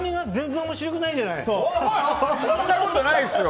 そんなことないですよ！